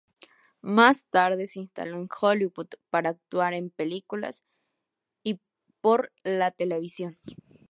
Más tarde, se instaló en Hollywood para actuar en películas y por la televisión.